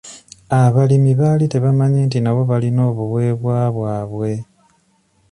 Abalimi baali tebamanyi nti nabo balina obuweebwa bwabwe.